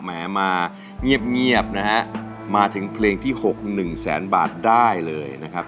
แหมมาเงียบนะฮะมาถึงเพลงที่๖๑แสนบาทได้เลยนะครับ